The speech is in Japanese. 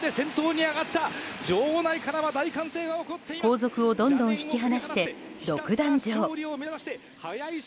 後続をどんどん引き離して独壇場。